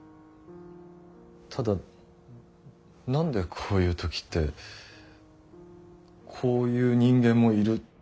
ただ何でこういう時って「こういう人間もいる」